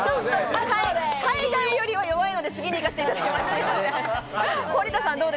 海外よりは弱いので、次に行かせていただきます。